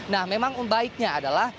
nah memang baiknya adalah